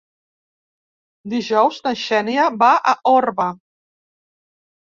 Dijous na Xènia va a Orba.